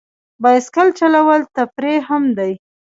بایسکل چلول تفریح هم دی.